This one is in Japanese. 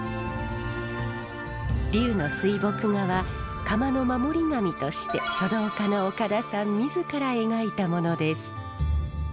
龍の水墨画は窯の守り神として書道家の岡田さん自ら描いたものです。